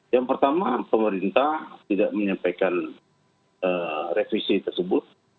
yang pertama pemerintah tidak menyampaikan revisi tersebut